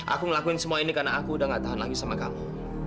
aku ngelakuin semua ini karena aku udah gak tahan lagi sama kamu